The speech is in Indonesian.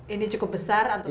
ini cukup besar atau size dari